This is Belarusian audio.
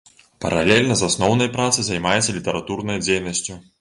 Паралельна з асноўнай працай займаецца літаратурнай дзейнасцю.